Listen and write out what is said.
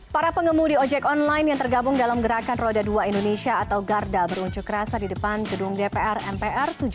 para pengemudi ojek online yang tergabung dalam gerakan roda dua indonesia atau garda berunjuk rasa di depan gedung dpr mpr